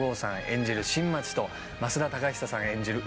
演じる新町と増田貴久さん演じる